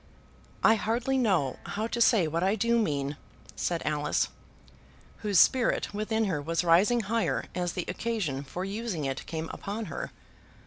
"I hardly know how to say what I do mean," said Alice, whose spirit within her was rising higher as the occasion for using it came upon her.